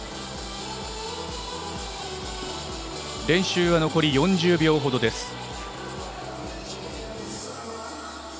練習は残り４０秒ほどです。